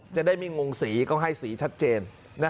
จะได้ไม่งงสีก็ให้สีชัดเจน